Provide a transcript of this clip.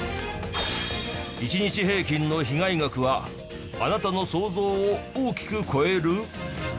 １日平均の被害額はあなたの想像を大きく超える！？